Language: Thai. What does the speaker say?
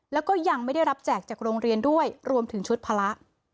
แล้วก็ยังไม่ได้รับแจกจากโรงเรียนด้วยรวมถึงชุดภาระ